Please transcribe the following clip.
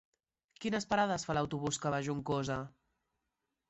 Quines parades fa l'autobús que va a Juncosa?